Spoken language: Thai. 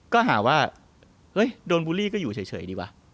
ก็หาว่าเฮ้ยโดนบูลลี่ก็อยู่เฉยดีวะ